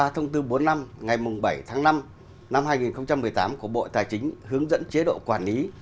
thông tư bốn mươi năm ngày bảy tháng năm năm hai nghìn một mươi tám của bộ tài chính hướng dẫn chế độ quản lý